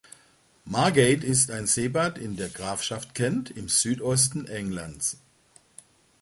Margate ist ein Seebad in der Grafschaft Kent im Südosten Englands.